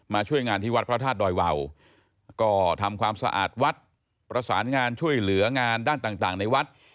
ช่วยงานที่วัดพระธาตุดอยวาวก็ทำความสะอาดวัดประสานงานช่วยเหลืองานด้านต่างในวัด